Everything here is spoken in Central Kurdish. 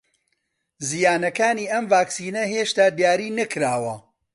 زیانەکانی ئەم ڤاکسینە هێشتا دیاری نەکراوە